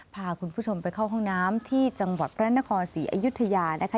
พาคุณผู้ชมไปเข้าห้องน้ำที่จังหวัดพระนครศรีอยุธยานะคะ